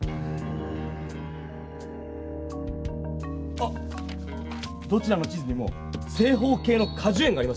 あっどちらの地図にも正方形のかじゅ園がありますよ。